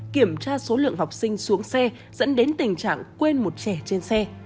kiểm tra số lượng học sinh xuống xe dẫn đến tình trạng quên một trẻ trên xe